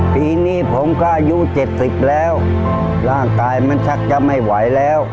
ปีนี้ผมก็อายุ๗๐แล้วร่างกายมันชักจะไม่ไหวแล้ว